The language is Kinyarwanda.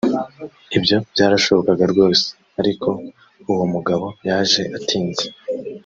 ibyo byarashobokaga rwose ariko uwo mugabo yaje atinze.